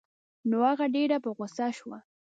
نو هغه ډېره په غوسه شوه.